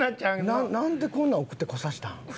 なんでこんなん送ってこさせたん？